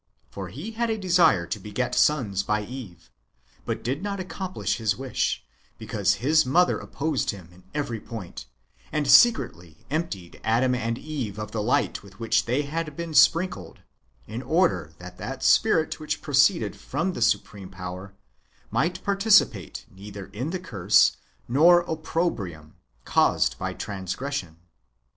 For he had a desire to beget sons by Eve, but did not accomplish his wish, because his mother opposed him in every point, and secretly emptied Adam and Eve of the light with which they had been sprinkled, in order that that spirit wdiich proceeded from the supreme power might participate neither in the curse nor opprobrium [caused by transgression].